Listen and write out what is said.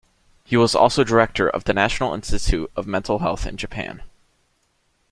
He was also Director of the National Institute of Mental Health in Japan.